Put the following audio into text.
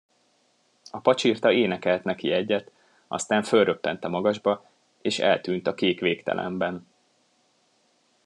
A pacsirta énekelt neki egyet, aztán fölröppent a magasba, és eltűnt a kék végtelenben.